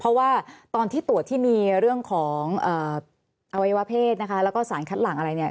เพราะว่าตอนที่ตรวจที่มีเรื่องของอวัยวะเพศนะคะแล้วก็สารคัดหลังอะไรเนี่ย